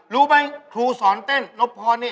รู้ไหมครูสอนเต้นนบพรนี่